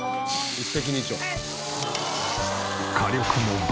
一石二鳥。